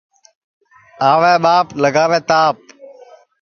آوے ٻاپ لگاوے تاپ